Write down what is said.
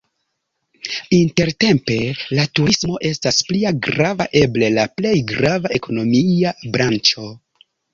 Intertempe la turismo estas plia grava, eble la plej grava, ekonomia branĉo.